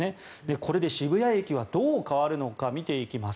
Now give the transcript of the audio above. これで渋谷駅はどう変わるのか見ていきます。